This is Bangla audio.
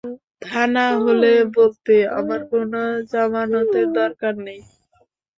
তা না হলে বলতে, আমার কোন জামানতের দরকার নেই।